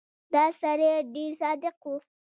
دا سړی ډېر صادق و.